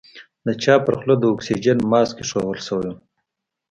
د چا پر خوله د اکسيجن ماسک ايښوول سوى و.